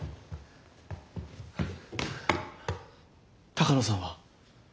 鷹野さんは？